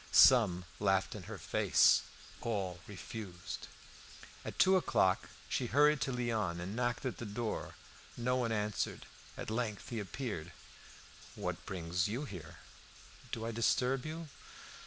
Some laughed in her face; all refused. At two o'clock she hurried to Léon, and knocked at the door. No one answered. At length he appeared. "What brings you here?" "Do I disturb you?"